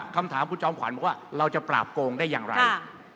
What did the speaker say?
คำถามคุณจอมขวัญบอกว่าเราจะปราบโกงได้อย่างไร